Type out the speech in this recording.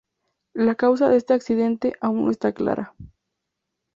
La causa de este accidente aún no está clara.